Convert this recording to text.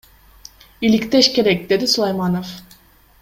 Иликтеш керек, — деди Сулайманов.